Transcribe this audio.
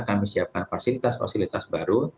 kami siapkan fasilitas fasilitas baru